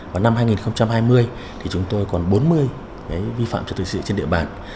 và năm hai nghìn hai mươi thì chúng tôi còn bốn mươi cái vi phạm trật tự xây dựng trên địa bàn